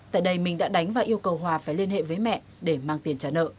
tại đây minh đã đánh và yêu cầu hòa phải liên hệ với mẹ để mang tiền trả nợ